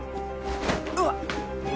うわっ。